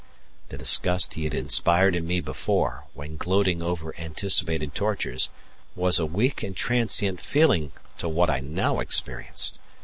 The disgust he had inspired in me before, when gloating over anticipated tortures, was a weak and transient feeling to what I now experienced.